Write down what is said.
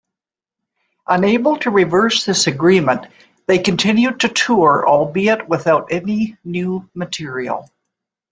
Unable to reverse this agreement, they continued to tour albeit without any new material.